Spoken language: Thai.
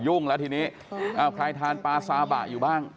่งแล้วทีนี้ใครทานปลาซาบะอยู่บ้าง